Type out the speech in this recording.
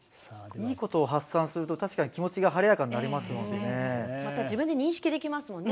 いいことを発散すると気持ちが晴れやかになりますもんね。